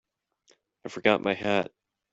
I forgot my hat.